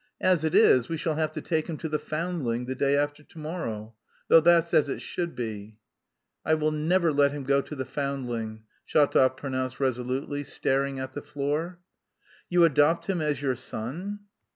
As it is, we shall have to take him to the Foundling, the day after to morrow.... Though that's as it should be." "I will never let him go to the Foundling," Shatov pronounced resolutely, staring at the floor. "You adopt him as your son?"